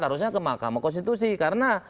harusnya ke mahkamah konstitusi karena